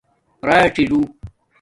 راڅی ژݸ